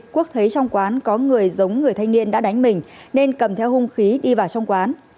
quốc thấy trong quán có người giống người thanh niên đã đánh mình nên cầm theo hung khí đi vào trong quán